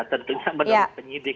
tentunya menurut penyidik